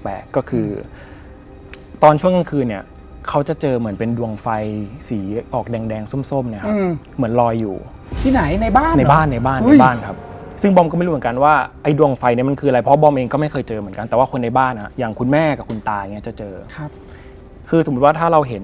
เพื่อเอาไว้เสริมเอาไว้เชิดชูตัวเอง